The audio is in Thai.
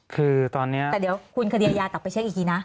คือตอนนี้แต่เดี๋ยวคุณคดีอายากลับไปเช็คอีกทีนะ